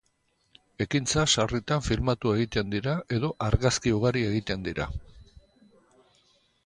Ekintza, sarritan, filmatu egiten dira edo argazki ugari egiten dira.